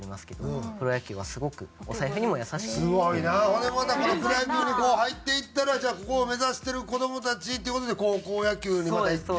ほんでまたプロ野球にこう入っていったらじゃあここを目指してる子どもたちっていう事で高校野球にまたいって。